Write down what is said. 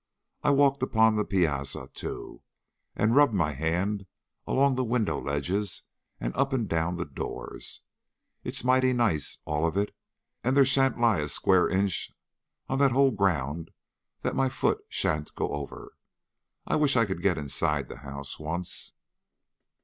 I walked upon the piazza too, and rubbed my hand along the window ledges and up and down the doors. It's mighty nice, all of it, and there sha'n't lie a square inch on that whole ground that my foot sha'n't go over. I wish I could get inside the house once."